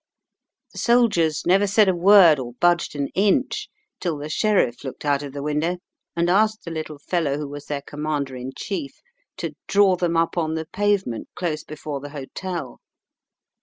"The soldiers never said a word or budged an inch till the Sheriff looked out of the window and asked the little fellow who was their commander in chief to draw them up on the pavement close before the hotel.